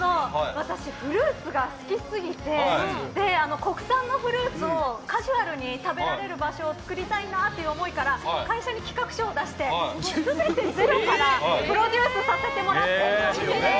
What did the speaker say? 私、フルーツが好きすぎて国産のフルーツをカジュアルに食べられる場所を作りたいなという思いから会社に企画書を出して全て、ゼロからプロデュースさせてもらったお店です。